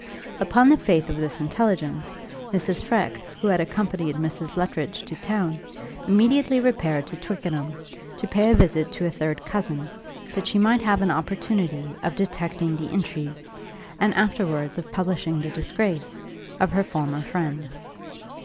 Upon the faith of this intelligence, Mrs. Freke, who had accompanied Mrs. Luttridge to town, immediately repaired to Twickenham, to pay a visit to a third cousin, that she might have an opportunity of detecting the intrigues, and afterwards of publishing the disgrace, of her former friend.